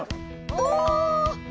お！